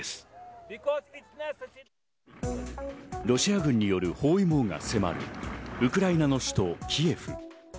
ロシア軍による包囲網が迫る、ウクライナの首都キエフ。